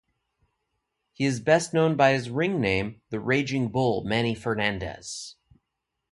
He is best known by his ring name "The Raging Bull" Manny Fernandez.